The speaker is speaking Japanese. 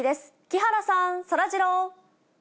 木原さん、そらジロー。